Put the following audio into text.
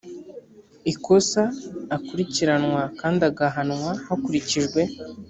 ikosa akurikiranwa kandi agahanwa hakurikijwe